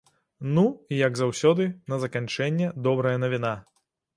Ну і, як заўсёды, на заканчэнне, добрая навіна.